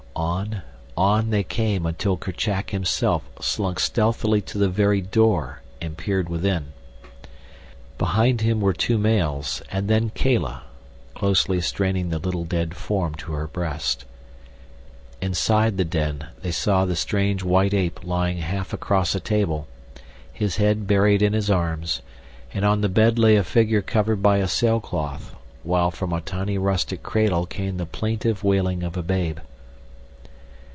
On, on they came until Kerchak himself slunk stealthily to the very door and peered within. Behind him were two males, and then Kala, closely straining the little dead form to her breast. Inside the den they saw the strange white ape lying half across a table, his head buried in his arms; and on the bed lay a figure covered by a sailcloth, while from a tiny rustic cradle came the plaintive wailing of a babe.